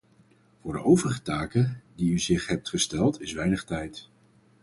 Voor de overige taken die u zich hebt gesteld is weinig tijd.